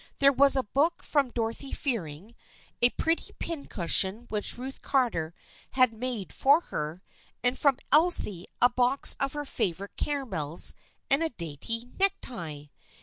There was a book from Dorothy Fearing, a pretty pincushion which Ruth Carter had made for her, and from Elsie a box of her favorite caramels and a dainty necktie.